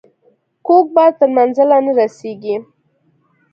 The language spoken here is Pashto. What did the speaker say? کوږ بار تر منزله نه رسیږي.